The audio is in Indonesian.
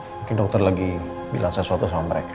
mungkin dokter lagi bilang sesuatu sama mereka